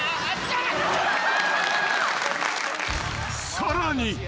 ［さらに］